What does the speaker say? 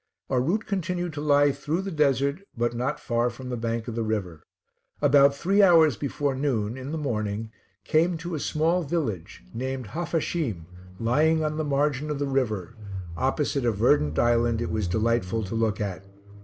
Our route continued to lie through the desert, but not far from the bank of the river; about three hours before noon in the morning came to a small village, named Haphasheem, lying on the margin of the river, opposite a verdant island it was delightful to look at.